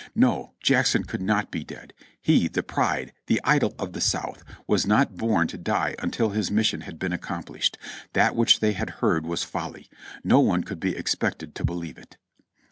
No ! Jackson could not be dead. He. the pride, the idol of the South, was not born to die until his mission had been accomplished. That which they had heard was folly ! No one could be expected to believe it.